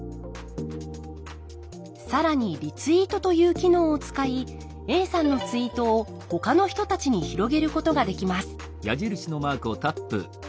更にリツイートという機能を使いＡさんのツイートをほかの人たちに広げることができます